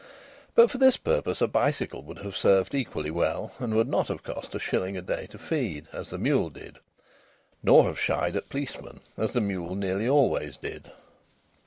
But for this purpose a bicycle would have served equally well, and would not have cost a shilling a day to feed, as the mule did, nor have shied at policemen, as the mule nearly always did.